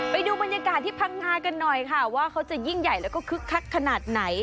ไปดูบรรยากาศที่พังงากันหน่อยค่ะว่าเขาจะยิ่งใหญ่แล้วก็คึกคักขนาดไหน